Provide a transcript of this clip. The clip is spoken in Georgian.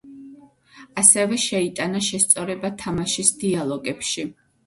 ასევე შეიტანა შესწორება თამაშის დიალოგებში.